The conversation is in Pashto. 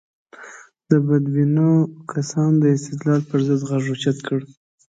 د بدبینو کسانو د استدلال پر ضد غږ اوچت کړو.